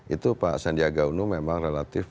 itu pak sandiaga uno memang relatif